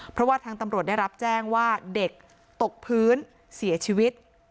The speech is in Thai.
เพราะว่าทางตำรวจได้รับแจ้งว่าเด็กตกพื้นเสียชีวิต